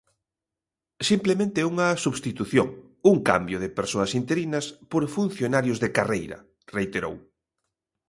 Simplemente unha substitución, un cambio de persoas interinas por funcionarios de carreira, reiterou.